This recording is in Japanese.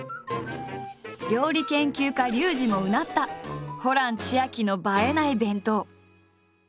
料理研究家リュウジもうなったホラン千秋の「映えない弁当」。